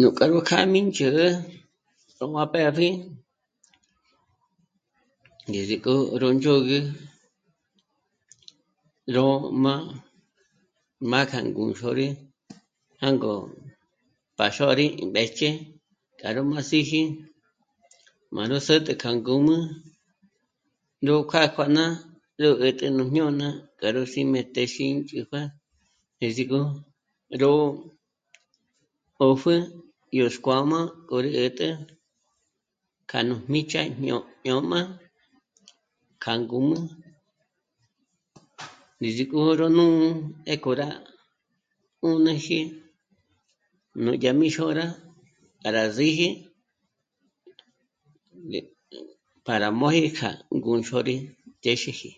Nú k'a nú kjâ'a mí ndzhä̌'ä gó má pë́pji ndízik'o ró ndzhôgü, ró má, má kja 'ū̀xôri jângo pa xô rí mbéjch'e k'a rú má síji, má nú sä̌t'ä k'a ngǔm'ü ró kjâ'a kjón'a 'ä̀gät'ä jñôna k'a ró xím'e téxi ín chíjuë ndízigo ró 'ö́pjü yó xkuám'a k'o 'ä̀t'ä k'a nú míjch'a yó jñôm'a kja ngǔm'ü ndízik'o ró... nú 'ë́ k'o rá 'ùnüji núdya mí xôra k'a rá síji... para móji k'a 'ū̀xori téxeji